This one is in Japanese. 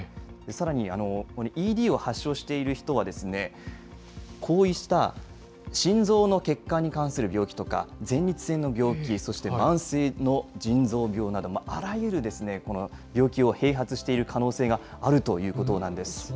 さらに、ＥＤを発症している人は、こうした心臓の血管に関する病気とか、前立腺の病気、そして慢性の腎臓病など、あらゆる病気を併発している可能性があるということなんです。